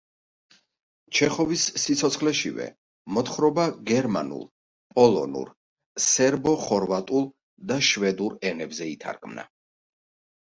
ჩეხოვის სიცოცხლეშივე მოთხრობა გერმანულ, პოლონურ, სერბო-ხორვატულ და შვედურ ენებზე ითარგმნა.